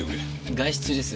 外出中です。